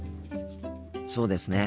そうですね。